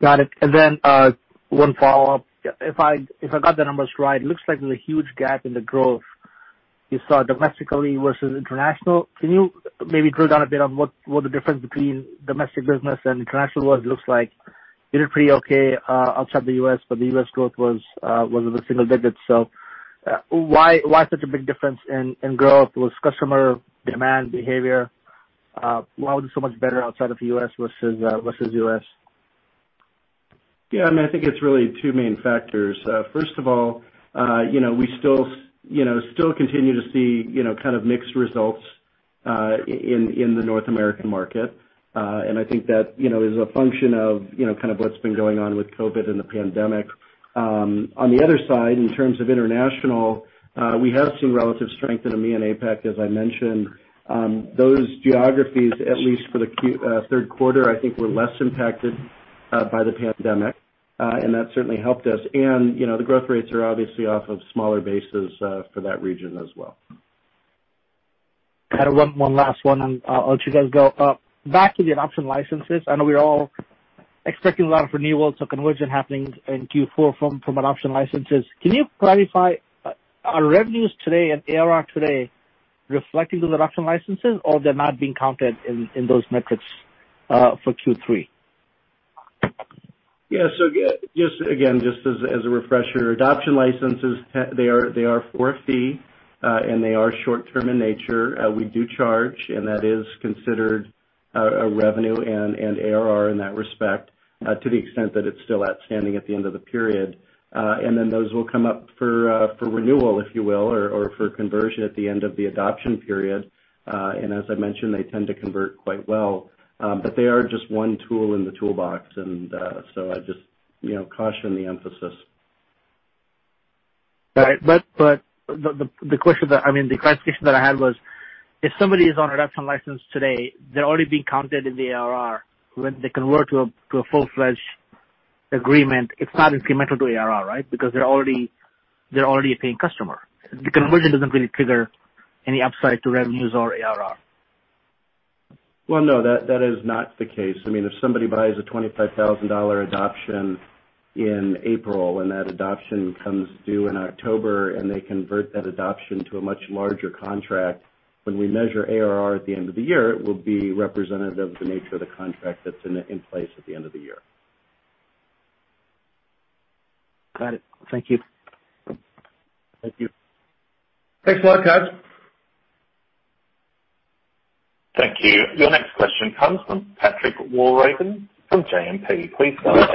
Got it. Then one follow-up. If I got the numbers right, it looks like there's a huge gap in the growth you saw domestically versus international. Can you maybe drill down a bit on what the difference between domestic business and international looks like? You did pretty okay outside the U.S., but the U.S. growth was in the single digits. Why such a big difference in growth? Was it customer demand behavior? Why was it so much better outside of the U.S. versus U.S.? Yeah, I think it's really two main factors. First of all, we still continue to see kind of mixed results in the North American market. I think that is a function of kind of what's been going on with COVID and the pandemic. On the other side, in terms of international, we have seen relative strength in EMEA and APAC, as I mentioned. Those geographies, at least for the third quarter, I think were less impacted by the pandemic. That certainly helped us. The growth rates are obviously off of smaller bases for that region as well. Kind of one last one, I'll let you guys go. Back to the adoption licenses, I know we're all expecting a lot of renewals, conversion happening in Q4 from adoption licenses. Can you clarify, are revenues today and ARR today reflecting those adoption licenses, or they're not being counted in those metrics for Q3? Yeah. Again, just as a refresher, adoption licenses, they are for a fee, and they are short-term in nature. We do charge, and that is considered a revenue and ARR in that respect, to the extent that it's still outstanding at the end of the period. Then those will come up for renewal, if you will, or for conversion at the end of the adoption period. As I mentioned, they tend to convert quite well. They are just one tool in the toolbox. I just caution the emphasis. Right. The clarification that I had was, if somebody is on adoption license today, they're already being counted in the ARR when they convert to a full-fledged agreement. It's not incremental to ARR, right? They're already a paying customer. The conversion doesn't really trigger any upside to revenues or ARR. Well, no, that is not the case. If somebody buys a $25,000 adoption in April, and that adoption comes due in October, and they convert that adoption to a much larger contract, when we measure ARR at the end of the year, it will be representative of the nature of the contract that's in place at the end of the year. Got it. Thank you. Thank you. Thanks a lot, Kash. Thank you. Your next question comes from Patrick Walravens from JMP. Please go ahead.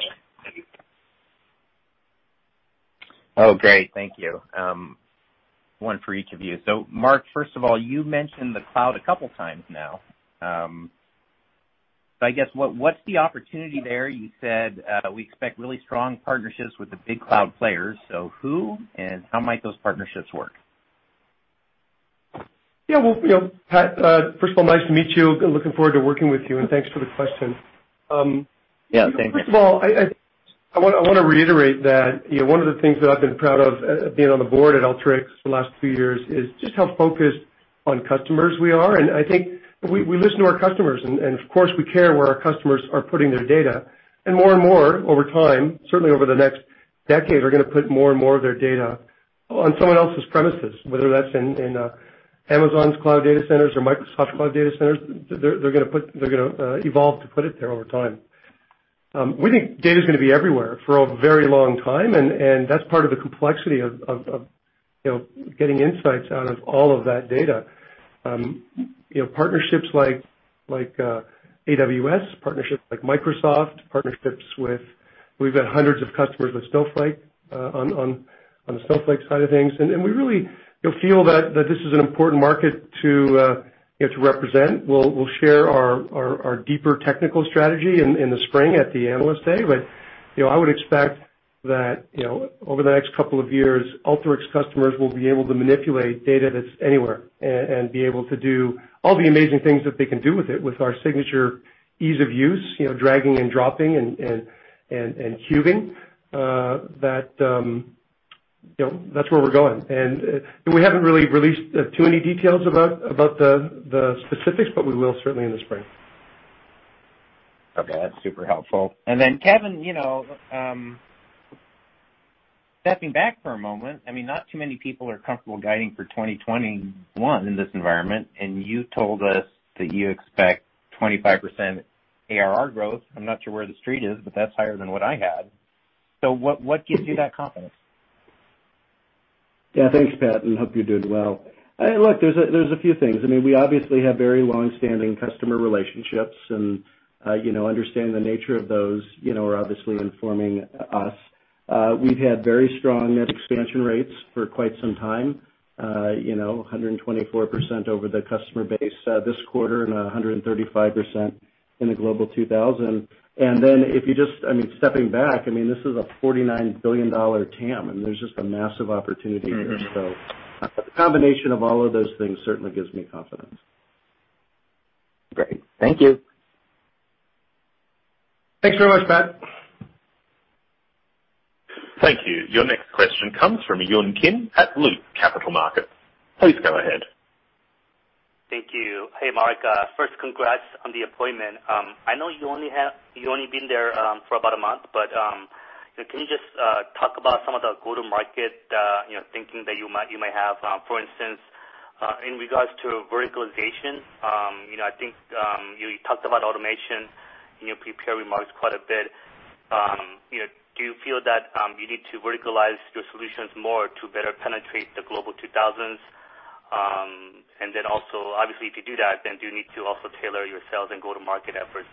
Oh, great. Thank you. One for each of you. Mark, first of all, you mentioned the cloud a couple times now. I guess, what's the opportunity there? You said, we expect really strong partnerships with the big cloud players. Who, and how might those partnerships work? Yeah. Well, Pat, first of all, nice to meet you, and thanks for the question. Yeah. Thanks. First of all, I want to reiterate that one of the things that I've been proud of, being on the board at Alteryx for the last few years, is just how focused on customers we are. I think we listen to our customers and, of course, we care where our customers are putting their data. More and more over time, certainly over the next decade, we're going to put more and more of their data on someone else's premises, whether that's in Amazon's cloud data centers or Microsoft cloud data centers. They're going to evolve to put it there over time. We think data's going to be everywhere for a very long time, and that's part of the complexity of getting insights out of all of that data. Partnerships like AWS, partnerships like Microsoft. We've got hundreds of customers with Snowflake, on the Snowflake side of things. We really feel that this is an important market to represent. We'll share our deeper technical strategy in the spring at the Analyst Day. I would expect that over the next couple of years, Alteryx customers will be able to manipulate data that's anywhere and be able to do all the amazing things that they can do with it, with our signature ease of use, dragging and dropping and cubing. That's where we're going. We haven't really released too many details about the specifics, but we will certainly in the spring. Okay. That's super helpful. Kevin, stepping back for a moment, not too many people are comfortable guiding for 2021 in this environment, you told us that you expect 25% ARR growth. I'm not sure where the street is, that's higher than what I had. What gives you that confidence? Yeah. Thanks, Pat, and hope you're doing well. Look, there's a few things. We obviously have very long-standing customer relationships, and understanding the nature of those, are obviously informing us. We've had very strong net expansion rates for quite some time. 124% over the customer base this quarter and 135% in the Global 2000. Stepping back, this is a $49 billion TAM, and there's just a massive opportunity here. The combination of all of those things certainly gives me confidence. Great. Thank you. Thanks very much, Pat. Thank you. Your next question comes from Yun Kim at Loop Capital Markets. Please go ahead. Thank you. Hey, Mark. First, congrats on the appointment. I know you've only been there for about a month, but can you just talk about some of the go-to-market thinking that you might have, for instance, in regards to verticalization? I think you talked about automation in your prepared remarks quite a bit. Do you feel that you need to verticalize your solutions more to better penetrate the Global 2000s? Also, obviously, to do that, then do you need to also tailor your sales and go-to-market efforts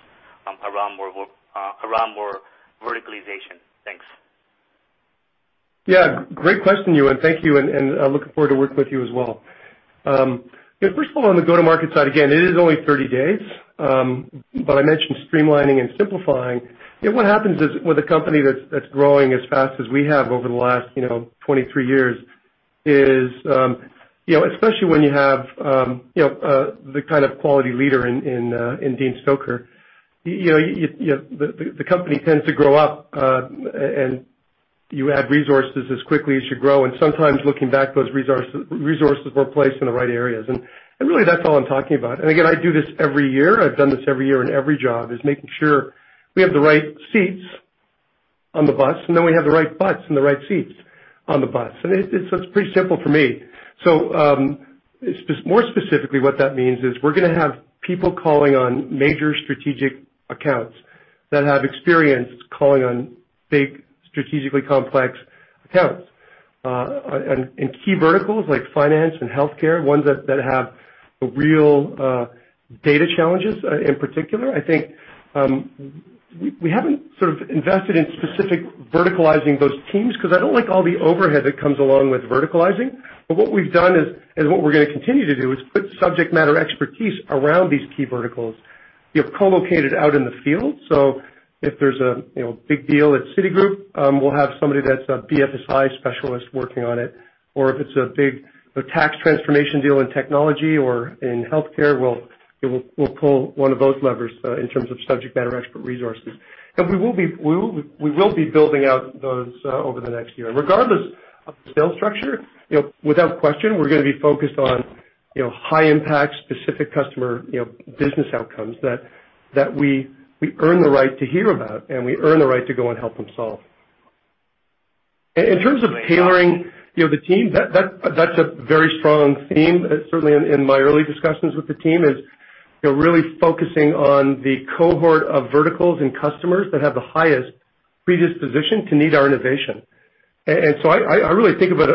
around more verticalization? Thanks. Great question, Yoon. Thank you, and looking forward to working with you as well. First of all, on the go-to-market side, again, it is only 30 days, but I mentioned streamlining and simplifying. What happens is, with a company that's growing as fast as we have over the last 23 years is, especially when you have the kind of quality leader in Dean Stoecker, the company tends to grow up. You add resources as quickly as you grow. Sometimes looking back, those resources weren't placed in the right areas. Really, that's all I'm talking about. Again, I do this every year. I've done this every year in every job, is making sure we have the right seats on the bus, and then we have the right butts in the right seats on the bus. It's pretty simple for me. More specifically what that means is we're going to have people calling on major strategic accounts that have experience calling on big strategically complex accounts, in key verticals like finance and healthcare, ones that have real data challenges in particular. I think, we haven't sort of invested in specific verticalizing those teams because I don't like all the overhead that comes along with verticalizing. But what we've done is, and what we're going to continue to do, is put subject matter expertise around these key verticals. We have co-located out in the field, so if there's a big deal at Citigroup, we'll have somebody that's a BFSI specialist working on it. Or if it's a big tax transformation deal in technology or in healthcare, we'll pull one of those levers in terms of subject matter expert resources. And we will be building out those over the next year. Regardless of the sales structure, without question, we're going to be focused on high impact specific customer business outcomes that we earn the right to hear about and we earn the right to go and help them solve. In terms of tailoring the team, that's a very strong theme, certainly in my early discussions with the team, is really focusing on the cohort of verticals and customers that have the highest predisposition to need our innovation. I really think about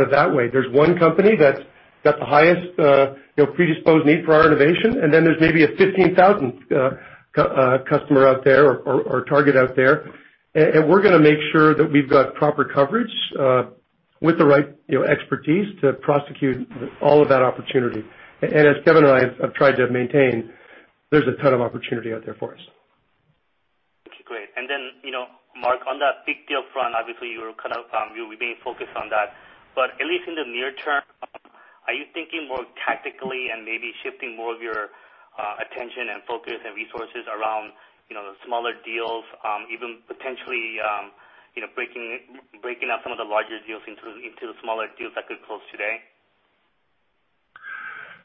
it that way. There's one company that's got the highest predisposed need for our innovation, and then there's maybe a 15,000th customer out there or target out there. We're going to make sure that we've got proper coverage, with the right expertise to prosecute all of that opportunity. As Kevin and I have tried to maintain, there's a ton of opportunity out there for us. Okay, great. Mark, on that big deal front, obviously you're remaining focused on that, but at least in the near term, are you thinking more tactically and maybe shifting more of your attention and focus and resources around smaller deals, even potentially breaking up some of the larger deals into smaller deals that could close today?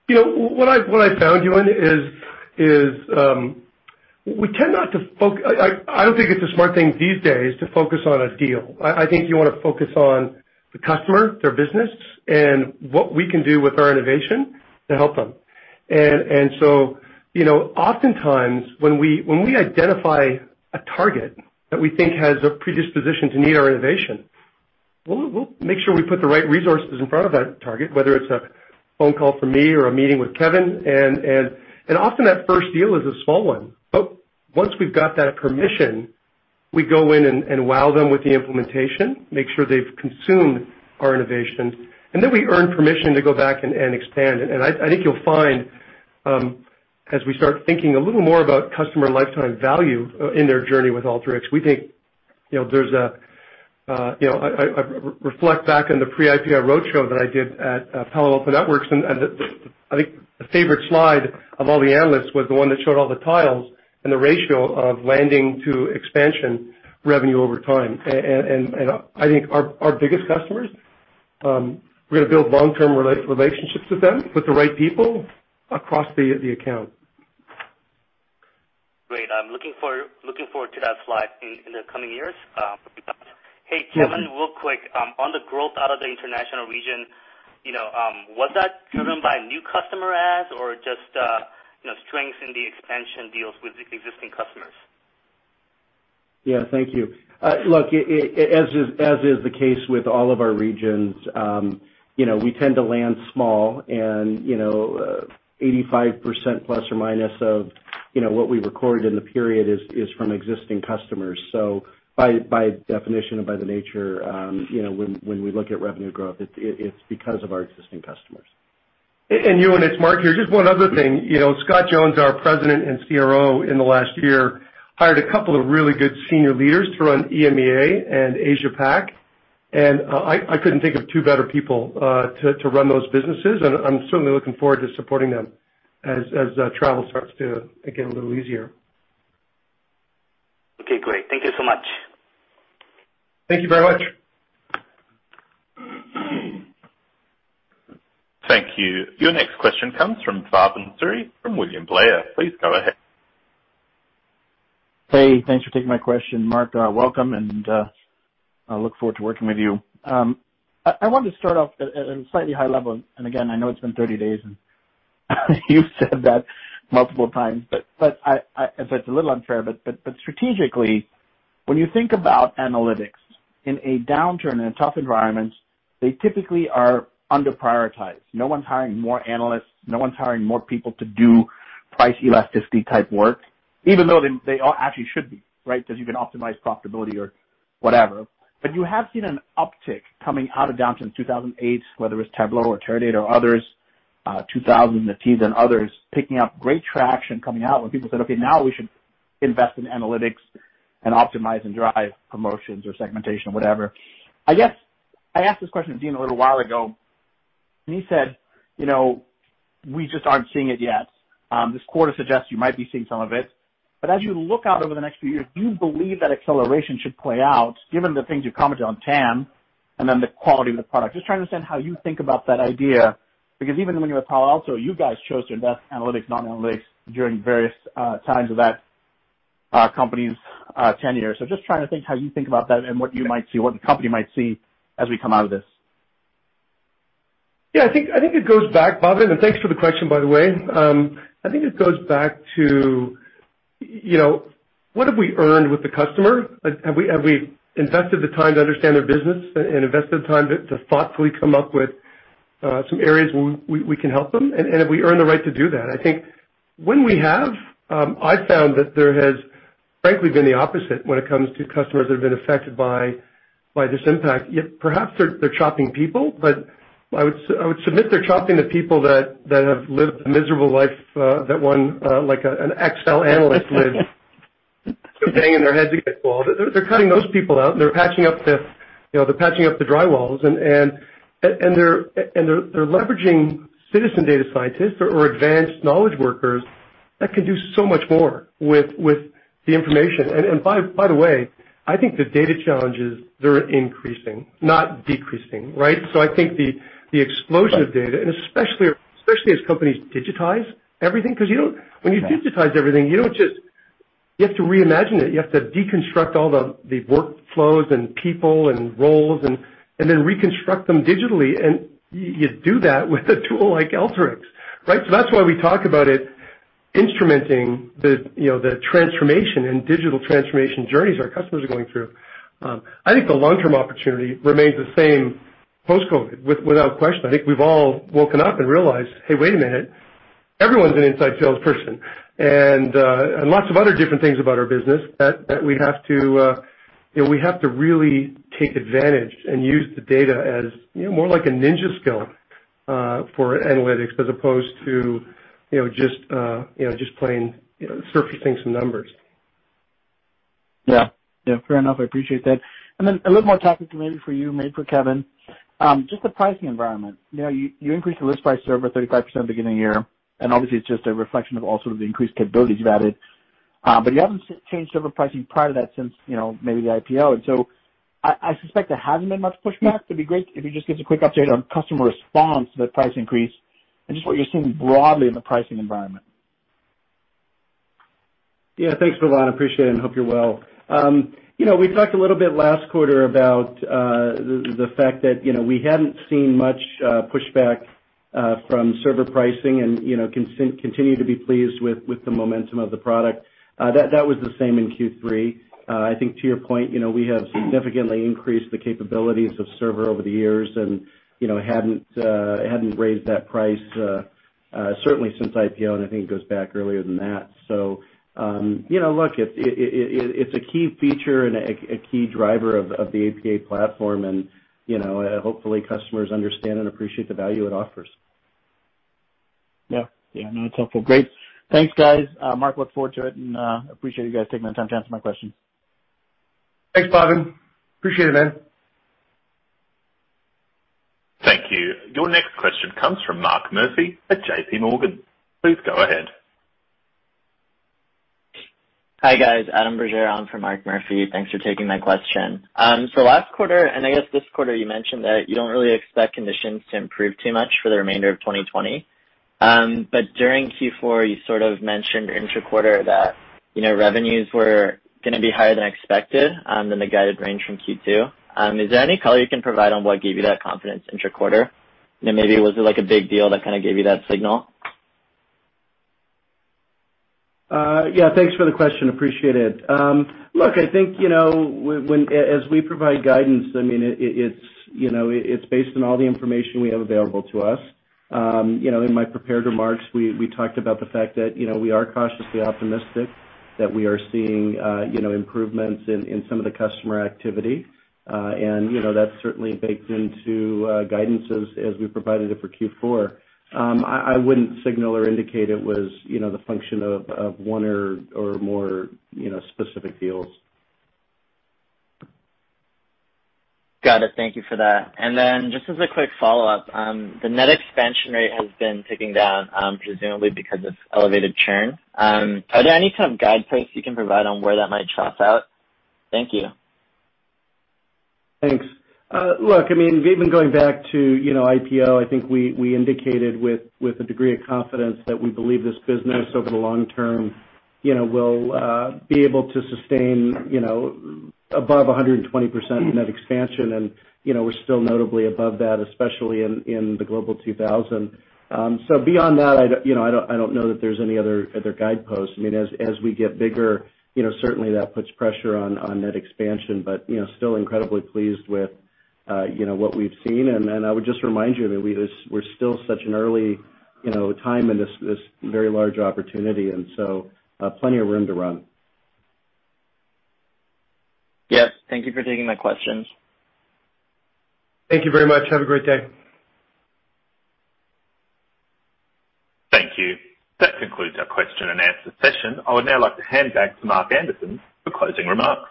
What I found, Yoon, is I don't think it's a smart thing these days to focus on a deal. I think you want to focus on the customer, their business, and what we can do with our innovation to help them. Oftentimes when we identify a target that we think has a predisposition to need our innovation, we'll make sure we put the right resources in front of that target, whether it's a phone call from me or a meeting with Kevin. Often that first deal is a small one. Once we've got that permission, we go in and wow them with the implementation, make sure they've consumed our innovation, and then we earn permission to go back and expand it. I think you'll find, as we start thinking a little more about customer lifetime value in their journey with Alteryx, I reflect back on the pre-IPO roadshow that I did at Palo Alto Networks, I think a favorite slide of all the analysts was the one that showed all the tiles and the ratio of landing to expansion revenue over time. I think our biggest customers, we're going to build long-term relationships with them, with the right people across the account. Great. I'm looking forward to that slide in the coming years. Yeah. Hey, Kevin, real quick. On the growth out of the international region, was that driven by new customer adds or just strengths in the expansion deals with existing customers? Yeah. Thank you. Look, as is the case with all of our regions, we tend to land small and 85% plus or minus of what we record in the period is from existing customers. By definition and by the nature, when we look at revenue growth, it's because of our existing customers. Yoon, it's Mark here. Just one other thing. Scott Jones, our president and CRO in the last year, hired a couple of really good senior leaders to run EMEA and Asia PAC, I couldn't think of two better people to run those businesses. I'm certainly looking forward to supporting them as travel starts to get a little easier. Okay, great. Thank you so much. Thank you very much. Thank you. Your next question comes from Bhavan Suri from William Blair. Please go ahead. Hey, thanks for taking my question. Mark, welcome, and I look forward to working with you. I wanted to start off at a slightly high level, and again, I know it's been 30 days, and you've said that multiple times, but it's a little unfair, but strategically, when you think about analytics in a downturn, in a tough environment, they typically are under prioritized. No one's hiring more analysts. No one's hiring more people to do price elasticity type work, even though they all actually should be, right? You can optimize profitability or whatever. You have seen an uptick coming out of downturns 2008, whether it's Tableau or Teradata or others, 2015 others picking up great traction coming out when people said, "Okay, now we should invest in analytics and optimize and drive promotions or segmentation," whatever. I guess I asked this question to Dean a little while ago. He said, "We just aren't seeing it yet." This quarter suggests you might be seeing some of it. As you look out over the next few years, do you believe that acceleration should play out given the things you commented on TAM, and then the quality of the product? Just trying to understand how you think about that idea. Because even when you were at Palo Alto, you guys chose to invest analytics, not analytics, during various times of that company's tenure. Just trying to think how you think about that and what you might see, what the company might see as we come out of this. Yeah, I think it goes back, Bhavan, and thanks for the question, by the way. I think it goes back to what have we earned with the customer? Have we invested the time to understand their business, and invested the time to thoughtfully come up with some areas where we can help them? Have we earned the right to do that? I think when we have, I found that there has, frankly, been the opposite when it comes to customers that have been affected by this impact. Perhaps they're chopping people, but I would submit they're chopping the people that have lived the miserable life that one, like an Excel analyst lived. They're banging their heads against walls. They're cutting those people out, and they're patching up the drywalls. They're leveraging citizen data scientists or advanced knowledge workers that can do so much more with the information. By the way, I think the data challenges, they're increasing, not decreasing, right? Right of data, and especially as companies digitize everything. Because when you digitize everything, you have to reimagine it. You have to deconstruct all the workflows and people and roles, and then reconstruct them digitally. You do that with a tool like Alteryx, right? That's why we talk about it instrumenting the transformation and digital transformation journeys our customers are going through. I think the long-term opportunity remains the same post-COVID, without question. I think we've all woken up and realized, "Hey, wait a minute. Everyone's an inside sales person." Lots of other different things about our business that we have to really take advantage and use the data as more like a ninja skill for analytics, as opposed to just plain surfacing some numbers. Yeah. Fair enough. I appreciate that. A little more topic maybe for you, maybe for Kevin. Just the pricing environment. You increased the list price Alteryx Server 35% at the beginning of the year. Obviously, it's just a reflection of all sort of the increased capabilities you've added. You haven't changed Alteryx Server pricing prior to that since maybe the IPO. I suspect there hasn't been much pushback. It'd be great if you just give us a quick update on customer response to that price increase, and just what you're seeing broadly in the pricing environment. Yeah. Thanks, Bhavan. Appreciate it. Hope you're well. We talked a little bit last quarter about the fact that we hadn't seen much pushback from server pricing and continue to be pleased with the momentum of the product. That was the same in Q3. I think to your point, we have significantly increased the capabilities of server over the years and hadn't raised that price certainly since IPO. I think it goes back earlier than that. Look, it's a key feature and a key driver of the APA platform. Hopefully customers understand and appreciate the value it offers. Yeah. No, that's helpful. Great. Thanks, guys. Mark, look forward to it, and appreciate you guys taking the time to answer my questions. Thanks, Bhavan. Appreciate it, man. Thank you. Your next question comes from Mark Murphy at JPMorgan. Please go ahead. Hi, guys. Adam Bergere in for Mark Murphy. Thanks for taking my question. Last quarter, and I guess this quarter, you mentioned that you don't really expect conditions to improve too much for the remainder of 2020. During Q4, you sort of mentioned inter-quarter that revenues were gonna be higher than expected than the guided range from Q2. Is there any color you can provide on what gave you that confidence inter-quarter? Maybe was it like a big deal that kind of gave you that signal? Yeah. Thanks for the question. Appreciate it. Look, I think as we provide guidance, it's based on all the information we have available to us. In my prepared remarks, we talked about the fact that we are cautiously optimistic that we are seeing improvements in some of the customer activity. That's certainly baked into guidance as we provided it for Q4. I wouldn't signal or indicate it was the function of one or more specific deals. Got it. Thank you for that. Then just as a quick follow-up, the net expansion rate has been ticking down, presumably because of elevated churn. Are there any kind of guide posts you can provide on where that might top out? Thank you. Thanks. Look, even going back to IPO, I think we indicated with a degree of confidence that we believe this business over the long-term will be able to sustain above 120% net expansion. We're still notably above that, especially in the Global 2000. Beyond that, I don't know that there's any other guidepost. As we get bigger, certainly that puts pressure on net expansion. Still incredibly pleased with what we've seen. I would just remind you that we're still such an early time in this very large opportunity, and so plenty of room to run. Yes. Thank you for taking my questions. Thank you very much. Have a great day. Thank you. That concludes our question-and-answer session. I would now like to hand back to Mark Anderson for closing remarks.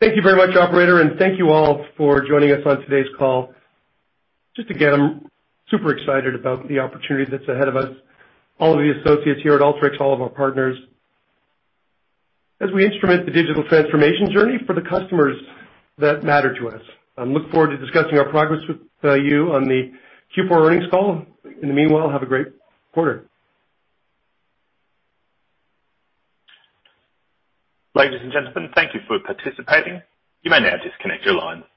Thank you very much, operator, and thank you all for joining us on today's call. Just again, I'm super excited about the opportunity that's ahead of us, all of the associates here at Alteryx, all of our partners, as we instrument the digital transformation journey for the customers that matter to us. Look forward to discussing our progress with you on the Q4 earnings call. In the meanwhile, have a great quarter. Ladies and gentlemen, thank you for participating. You may now disconnect your lines.